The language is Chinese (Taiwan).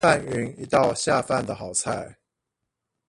拌勻一道下飯的好菜